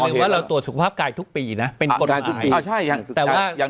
นึกว่าเราตรวจสุขภาพกายทุกปีน่ะเป็นคนอายอ่าใช่แต่ว่าอย่าง